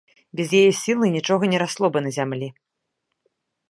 Без яе сілы нічога не расло бы на зямлі.